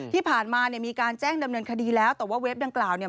ที่ผ่านมาเนี่ยมีการแจ้งดำเนินคดีแล้วแต่ว่าเว็บดังกล่าวเนี่ย